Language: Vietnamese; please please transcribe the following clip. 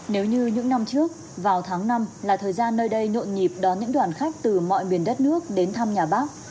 nếu như những năm trước vào tháng năm là thời gian nơi đây nhộn nhịp đón những đoàn khách từ mọi miền đất nước đến thăm nhà bác